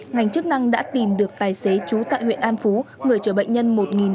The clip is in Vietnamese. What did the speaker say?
ngành chức năng đã tìm được tài xế chú tại huyện an phú người chở bệnh nhân một nghìn bốn trăm bốn mươi